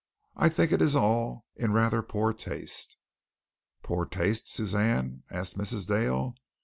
I think it is all in rather poor taste." "Poor taste, Suzanne?" asked Mrs. Dale.